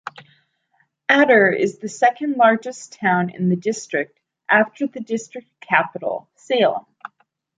Attur is the second largest town in the district after the district capital Salem.